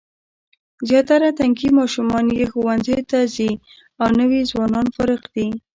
زیاتره تنکي ماشومان یې ښوونځیو ته ځي او نوي ځوانان فارغ دي.